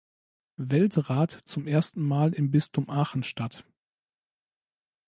Weltrat zum ersten Mal im Bistum Aachen statt.